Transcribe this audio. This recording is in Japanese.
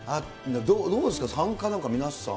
どうですか、参加なんか皆さん、